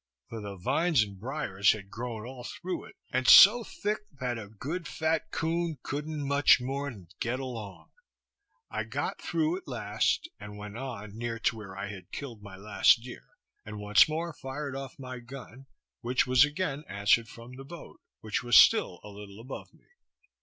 For the vines and briers had grown all through it, and so thick, that a good fat coon couldn't much more than get along. I got through at last, and went on near to where I had killed my last deer, and once more fired off my gun, which was again answered from the boat, which was still a little above me.